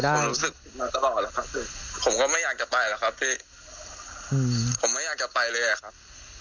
ผมไม่อยากจะไปเลยล่ะครับ